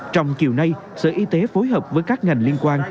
trong chiều nay sở y tế phối hợp với các ngành liên quan